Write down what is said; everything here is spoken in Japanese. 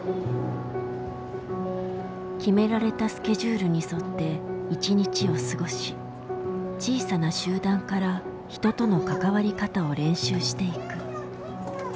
決められたスケジュールに沿って１日を過ごし小さな集団から人との関わり方を練習していく。